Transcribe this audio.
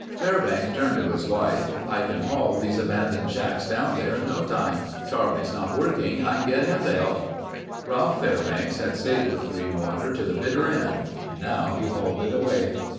Fairbanks turned to his wife. "I can haul these abandoned shacks down there in no time. Charlie's not working, I can get him to help." Ralph Fairbanks had stayed with Greenwater to the bitter end. Now he hauled it away.